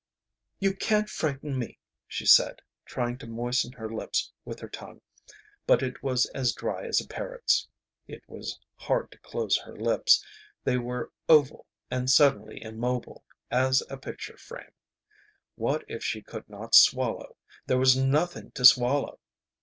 "You can't frighten me," she said, trying to moisten her lips with her tongue. But it was dry as a parrot's. It was hard to close her lips. They were oval and suddenly immobile as a picture frame. What if she could not swallow. There was nothing to swallow!